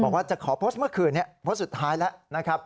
บอกว่าจะขอโพสต์เมื่อคืนนี้โพสต์สุดท้ายแล้วนะครับ